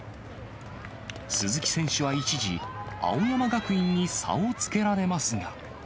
鈴木選手は一時、青山学院に差をつけられますが。